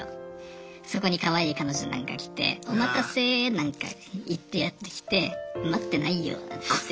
そこにかわいい彼女なんか来てお待たせなんか言ってやって来て待ってないよなんて言って。